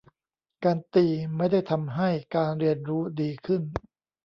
การตีไม่ได้ทำให้การเรียนรู้ดีขึ้น